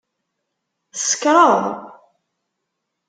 Tsekṛeḍ?